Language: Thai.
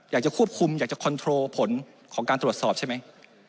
อยากจะควบคุมอยากจะคอนโทรลผลของการตรวจสอบใช่ไหม